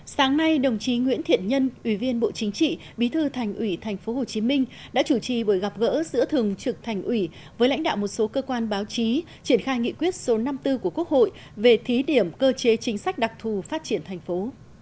sáng nay đồng chí nguyễn thiện nhân ủy viên bộ chính trị bí thư thành ủy tp hcm đã chủ trì buổi gặp gỡ giữa thường trực thành ủy với lãnh đạo một số cơ quan báo chí triển khai nghị quyết số năm mươi bốn của quốc hội về thí điểm cơ chế chính sách đặc thù phát triển thành phố